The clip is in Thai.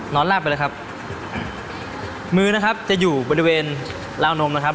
ลาบไปเลยครับมือนะครับจะอยู่บริเวณราวนมนะครับ